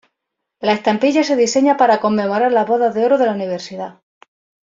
La estampilla se diseña para conmemorar las bodas de oro de la Universidad.